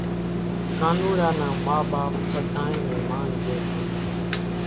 ڪانوڙا نان ما ٻاپ ٻڌانئين نين مانَ ڄي سي